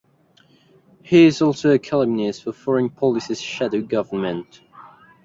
He is also a columnist for Foreign Policy's Shadow Government.